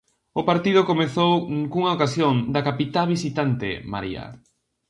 O partido comezou cunha ocasión da capitá visitante María.